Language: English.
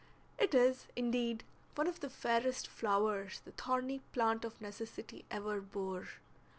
It is, indeed, one of the fairest flowers the thorny plant of necessity ever bore.